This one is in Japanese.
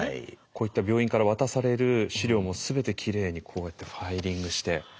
こういった病院から渡される資料も全てきれいにこうやってファイリングして。